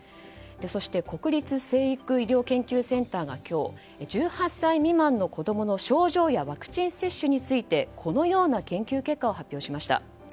そして今日国立成育医療研究センターが１８歳未満の子供の症状やワクチン接種についてこのような研究結果を発表しました。